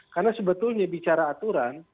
karena sebetulnya bicara aturan